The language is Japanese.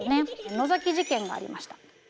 のぞき事件がありました。